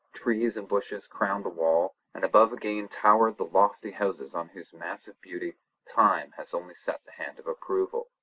Trees and bushes crowned the wall, and above again towered the lofty houses on whose massive beauty Time has only set the hand of approval.